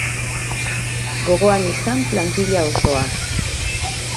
Gogoan izan plantilla osoa.